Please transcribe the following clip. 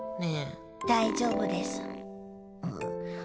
大丈夫です。